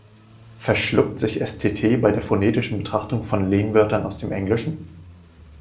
"Verschluckt" sich S-T-T bei der phonetischen Betrachtung von Lehnwörtern aus dem Englischen?